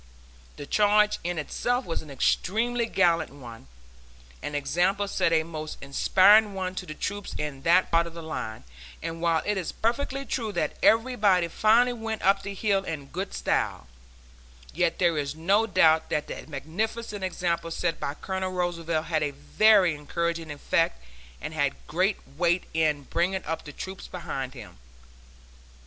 The charge in itself was an extremely gallant one, and the example set a most inspiring one to the troops in that part of the line, and while it is perfectly true that everybody finally went up the hill in good style, yet there is no doubt that the magnificent example set by Colonel Roosevelt had a very encouraging effect and had great weight in bringing up the troops behind him.